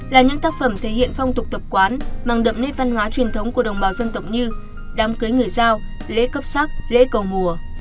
là những tác phẩm thể hiện phong tục tập quán mang đậm nét văn hóa truyền thống của đồng bào dân tộc như đám cưới người giao lễ cấp sắc lễ cầu mùa